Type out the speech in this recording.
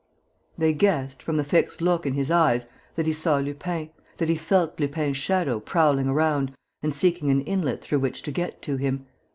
They guessed, from the fixed look in his eyes, that he saw Lupin, that he felt Lupin's shadow prowling around and seeking an inlet through which to get to him.